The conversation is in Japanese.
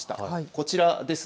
こちらです。